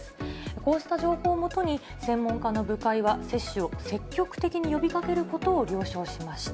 こうした情報を基に、専門家の部会は接種を積極的に呼びかけることを了承しました。